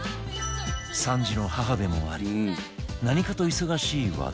３児の母でもあり何かと忙しい和田